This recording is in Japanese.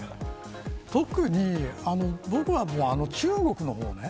特に、僕は中国の方ね。